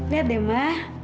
lihat deh ma